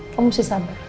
kamu mesti sabar